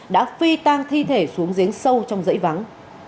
đã phi tang thi thể xuống giếng sâu trong dãy vắng